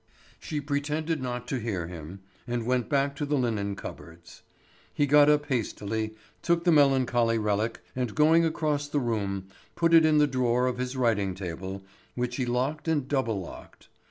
She pretended not to hear him, and went back to the linen cupboards. He got up hastily, took the melancholy relic, and going across the room, put it in the drawer of his writing table, which he locked and double locked.